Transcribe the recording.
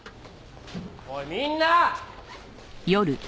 おいみんな！